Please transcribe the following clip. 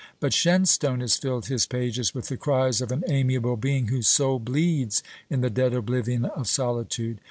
But Shenstone has filled his pages with the cries of an amiable being whose soul bleeds in the dead oblivion of solitude.